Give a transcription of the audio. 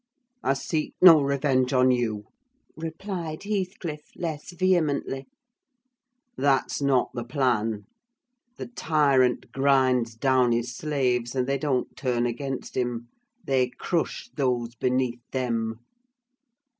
"I seek no revenge on you," replied Heathcliff, less vehemently. "That's not the plan. The tyrant grinds down his slaves and they don't turn against him; they crush those beneath them.